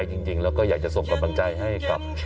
เบื้องต้น๑๕๐๐๐และยังต้องมีค่าสับประโลยีอีกนะครับ